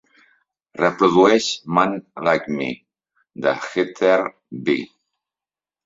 Reprodueix "Man Like Me" de Heather B.